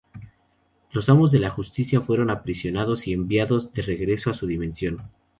Los Amos de la Justicia fueron aprisionados y enviados de regreso a su dimensión.